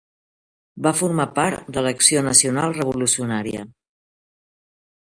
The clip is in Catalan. Va formar part de l'Acció Nacional Revolucionària.